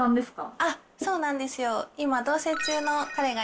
あっ、そうなんですよ。